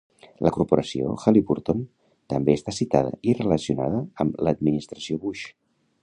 La corporació Halliburton també està citada i relacionada amb l"administració Bush.